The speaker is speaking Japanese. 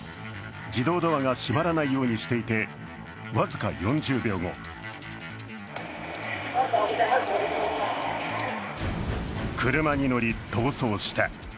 自動ドアが閉まらないようにしていて、僅か４０秒後車に乗り、逃走した。